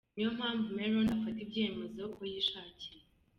Niyo mpamvu Meron afata ibyemezo uko yishakiye.